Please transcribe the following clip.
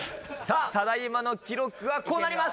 ただ今の記録はこうなります。